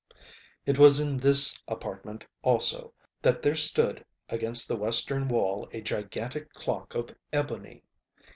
It was in this apartment, also, that there stood against the western wall, a gigantic clock of ebony.